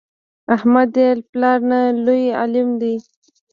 احمد یې له پلار نه لوی عالم دی.